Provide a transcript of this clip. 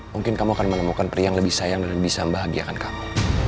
mungkin kamu akan menemukan pria yang lebih sayang dan bisa membahagiakan kamu